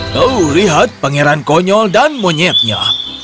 tuh lihat pangeran konyol dan monyetnya